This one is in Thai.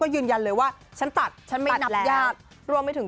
ก็ยืนยันเลยว่าฉันตัดฉันไม่อยู่นับรวมไปถึง